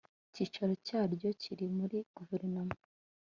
icyicaro cyaryo kiri muri guverinoma